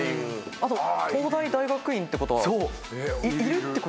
あと「東大大学院」ってことはいるってことですよね。